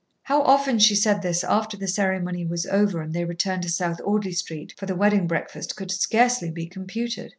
How often she said this after the ceremony was over and they returned to South Audley Street, for the wedding breakfast could scarcely be computed.